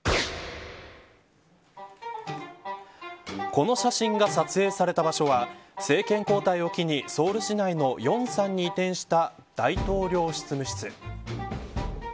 この写真が撮影された場所は政権交代を機にソウル市内の龍山に移転した大統領執務室。